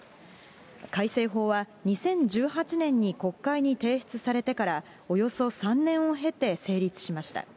改正法は２０１８年に国会に提出されてからおよそ３年を経て成立しました。